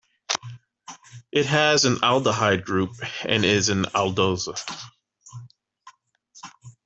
It has an aldehyde group and is an aldose.